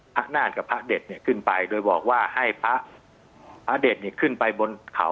นาฏกับพระเด็ดเนี่ยขึ้นไปโดยบอกว่าให้พระพระเด็ดเนี่ยขึ้นไปบนเขา